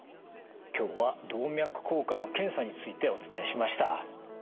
今日は動脈硬化の検査についてお伝えしました。